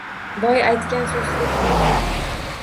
Boy aytgan so‘zida turadimi?